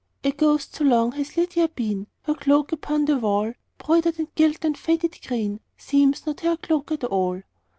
A ghost so long has Lydia been, Her cloak upon the wall, Broidered, and gilt, and faded green, Seems not her cloak at all.